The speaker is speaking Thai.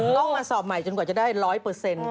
ต้องมาสอบใหม่จนกว่าจะได้ร้อยเปอร์เซ็นต์